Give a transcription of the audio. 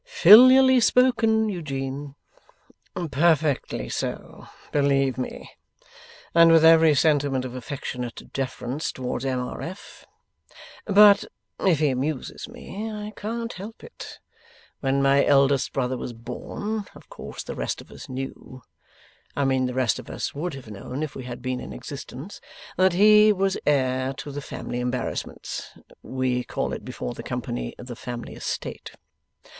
'Filially spoken, Eugene!' 'Perfectly so, believe me; and with every sentiment of affectionate deference towards M. R. F. But if he amuses me, I can't help it. When my eldest brother was born, of course the rest of us knew (I mean the rest of us would have known, if we had been in existence) that he was heir to the Family Embarrassments we call it before the company the Family Estate.